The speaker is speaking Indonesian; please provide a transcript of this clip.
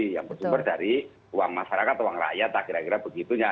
yang bersumber dari uang masyarakat uang rakyat lah kira kira begitunya